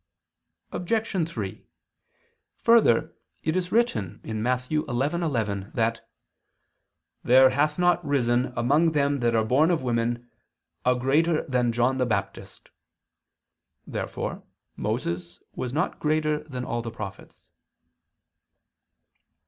Obj. 3: Further, it is written (Matt. 11:11) that "there hath not risen, among them that are born of women, a greater than John the Baptist." Therefore Moses was not greater than all the prophets.